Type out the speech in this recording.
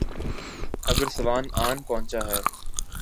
اگر ساون آن پہنچا ہے۔